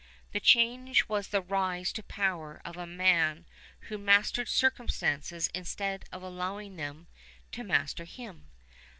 The change was the rise to power of a man who mastered circumstances instead of allowing them to master him.